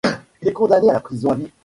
Il est condamné à la prison à vie.